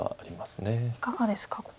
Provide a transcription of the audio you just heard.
いかがですか？